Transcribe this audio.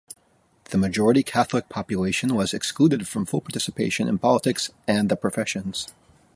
The majority Catholic population was excluded from full participation in politics and the professions.